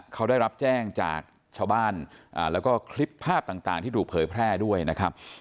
เขาได้รับแจ้งจากชาวบ้านแล้วก็คลิปภาพต่างที่ถูกเผยแพร่ด้วยนะครับ